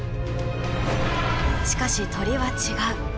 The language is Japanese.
しかし鳥は違う。